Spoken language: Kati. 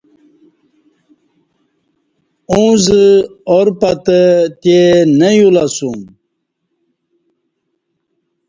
اوں زہ آر پتہ تے نہ یو لہ اسوم